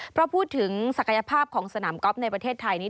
เพราะพูดถึงศักยภาพของสนามกอล์ฟในประเทศไทยนี้